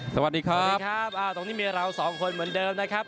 สวัสดีครับสวัสดีครับตรงนี้มีเราสองคนเหมือนเดิมนะครับ